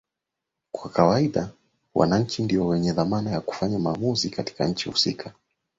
kawaida wananchi ndio wenye dhamana ya kufanya maamuzi katika nchi husika